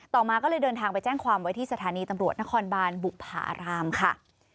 มาก็เลยเดินทางไปแจ้งความไว้ที่สถานีตำรวจนครบานบุภารามค่ะ